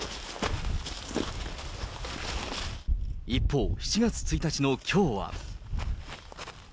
一方、７月１日のきょうは。